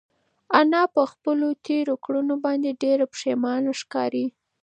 انا په خپلو تېرو کړنو باندې ډېره پښېمانه ښکاري.